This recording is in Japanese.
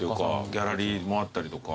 ギャラリーもあったりとか。